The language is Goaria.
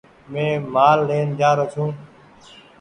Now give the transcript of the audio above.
مينٚ مآل لين جآرو ڇوٚنٚ